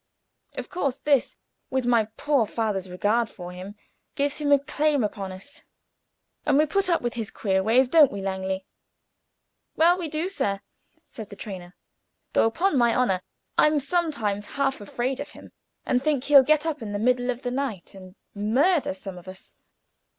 Of course this, with my poor father's regard for him, gives him a claim upon us, and we put up with his queer ways don't we, Langley?" "Well, we do, sir," said the trainer; "though, upon my honor, I'm sometimes half afraid of him, and think he'll get up in the middle of the night and murder some of us."